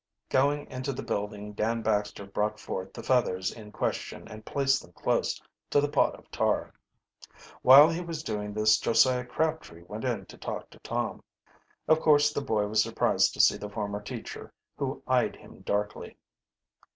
Going into the building Dan Baxter brought forth the feathers in question, and placed them close to the pot of tar. While he was doing this Josiah Crabtree went in to talk to Tom. Of course the boy was surprised to see the former teacher, who eyed him darkly.